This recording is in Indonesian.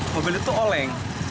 mobil itu oleng